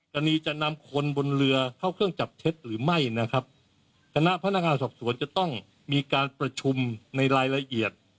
จะนำคนบนเรือเข้าเครื่องจับเท็จหรือไม่นะครับคณะพนักงานสอบสวนจะต้องมีการประชุมในรายละเอียด